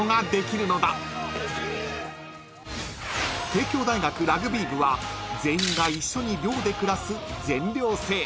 ［帝京大学ラグビー部は全員が一緒に寮で暮らす全寮制］